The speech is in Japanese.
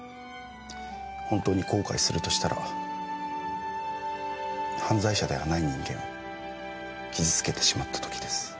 本当に後悔するとしたら犯罪者ではない人間を傷つけてしまった時です。